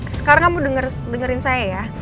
sekarang kamu dengerin saya ya